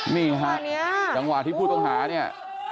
นี่ฮะจังหวะที่ผู้ต้องหาเนี่ย